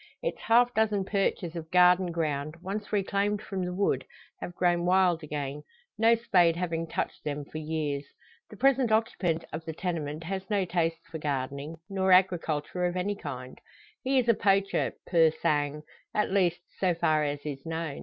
Its half dozen perches of garden ground, once reclaimed from the wood, have grown wild again, no spade having touched them for years. The present occupant of the tenement has no taste for gardening, nor agriculture of any kind; he is a poacher, pur sang at least, so far as is known.